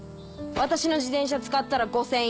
私の自転車使ったら５０００円！